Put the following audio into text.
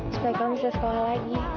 supaya kamu bisa sekolah lagi